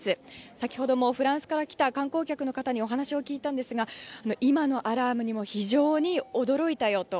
先ほどもフランスから来た観光客の方に話を聞いたんですが今のアラームにも非常に驚いたと。